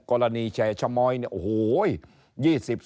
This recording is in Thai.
กรณีชะมอยเนี่ยโอ้โหย